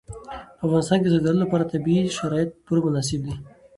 په افغانستان کې د زردالو لپاره طبیعي شرایط پوره مناسب دي.